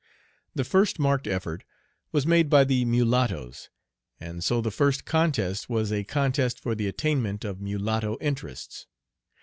The first marked effort was made by the mulattoes, and so the first contest was a contest for the attainment of mulatto interests.